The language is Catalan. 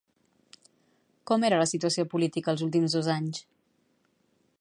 Com era la situació política els últims dos anys?